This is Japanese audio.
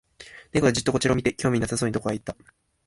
猫がじっとこちらを見て、興味なさそうにどこかへ行った